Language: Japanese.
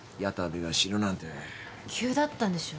急だったんでしょ？